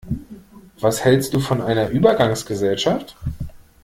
Was hältst du von einer Übergangsgesellschaft?